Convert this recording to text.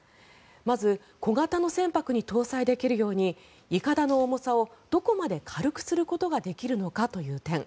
まず小型の船舶に搭載できるようにいかだの重さをどこまで軽くすることができるのかという点。